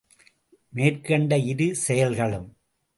மேற்கண்ட இரு செயல்களும்.